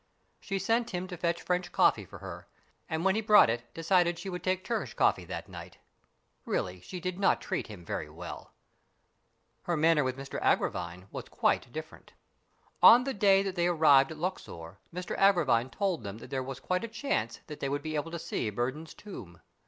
She sent him to fetch French coffee for her, and when he brought it decided that she would take Turkish coffee that night. Really, she did not treat him very well. Her manner with Mr Agravine was quite different. On the day that they arrived at Luxor Mr Agra vine told them that there was quite a chance that they would be able to see Burdon's tomb.